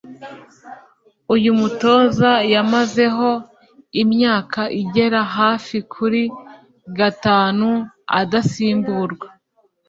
Uyu mutoza yamazeho imyaka igera hafi kuri gatanu adasimburwa